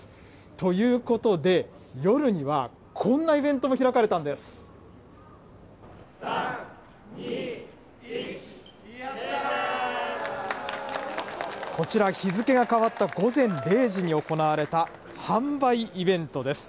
ということで、夜には、こんなイ３、２、１、こちら、日付が変わった午前０時に行われた販売イベントです。